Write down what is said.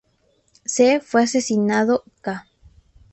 C.. Fue asesinado ca.